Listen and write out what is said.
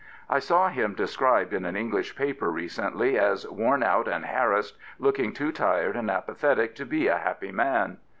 I saw him described in an English paper recently as worn out and harassed, looking too tired and apathetic to be a happy man.'